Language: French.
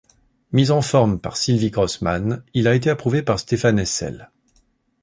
Mis en forme par Sylvie Crossman, il a été approuvé par Stéphane Hessel.